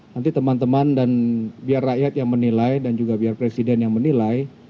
nanti teman teman dan biar rakyat yang menilai dan juga biar presiden yang menilai